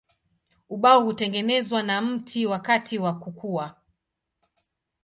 Ubao hutengenezwa na mti wakati wa kukua.